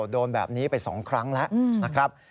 โดนแบบนี้ไป๒ครั้งแล้วนะครับ